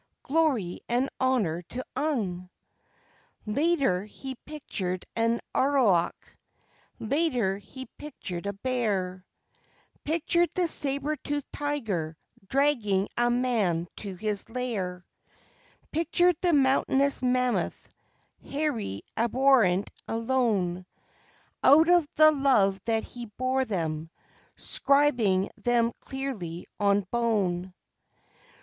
Glory and honour to Ung!" Later he pictured an aurochs later he pictured a bear Pictured the sabre tooth tiger dragging a man to his lair Pictured the mountainous mammoth, hairy, abhorrent, alone Out of the love that he bore them, scribing them clearly on bone.